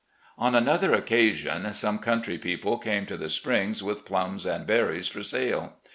On another occasion some country people came to the Springs with plums and berries for sale.